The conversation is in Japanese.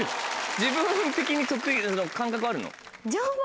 自分的に得意の感覚あるの？